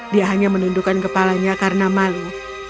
dia hanya menundukkan kepalanya karena malu